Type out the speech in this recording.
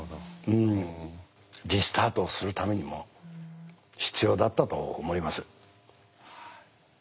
うんリスタートするためにも必要だったと思います。